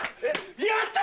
やった！